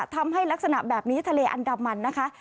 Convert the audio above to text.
ทำให้ลักษณะแบบนี้ทะเลอันดามันนะคะ